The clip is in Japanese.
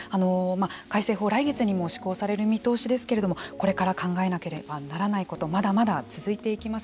改正法は来月にも施行される見通しですけれどもこれから考えなければならないことまだまだ続いていきます。